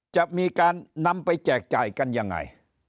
จะมีการนำไปแจกจ่ายกันยังไง